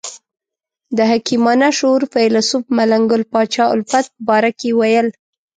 د حکیمانه شعور فیلسوف ملنګ ګل پاچا الفت په باره کې ویل.